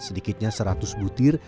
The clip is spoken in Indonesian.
sedikitnya seratus butir